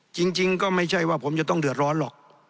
จริงก็ไม่ใช่ว่าผมจะต้องเดือดร้อนหรอก